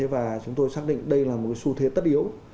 và chúng tôi xác định đây là một xu thế tất yếu